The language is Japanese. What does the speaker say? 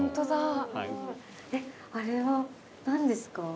えっあれは何ですか？